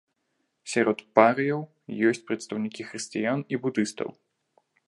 Сярод парыяў ёсць прадстаўнікі хрысціян і будыстаў.